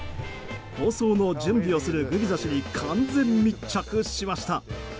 放送の準備をするグビザ氏に完全密着しました。